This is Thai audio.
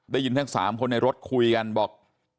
ได้ยินทั้ง๓คนในรถคุยกันบอก